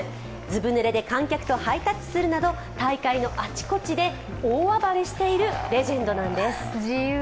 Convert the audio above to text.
ずぶぬれで観客とハイタッチするなど大会のあちこちで大暴れしているレジェンドなんです。